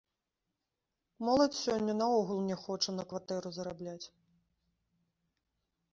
Моладзь сёння наогул не хоча на кватэру зарабляць.